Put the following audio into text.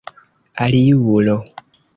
aliulo